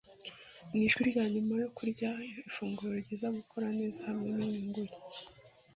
Mu ijwi rya nyuma yo kurya ifunguro ryiza gukora neza hamwe ninyungu nke